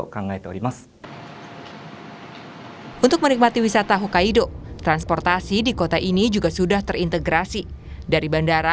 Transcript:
kemudian pekan kerja pesawat ian raj crinae ini juga mulai meracinez